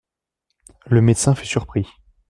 Le médecin fut surpris.